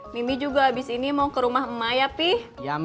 mama juga abis ini mau ke mahbudur mala ya pak